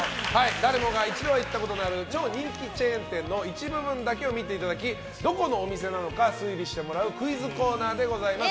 誰もが一度は行ったことのある超人気チェーン店の一部分だけを見ていただきどこのお店なのか推理してもらうクイズコーナーでございます。